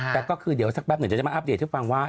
แต่ก็คือเดี๋ยวสักแป๊บหนึ่งจะมาอัปเดตให้ฟังว่า